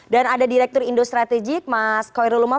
dan ada direktur indo strategik mas koirul umam